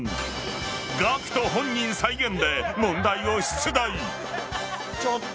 ＧＡＣＫＴ本人再現で問題を出題。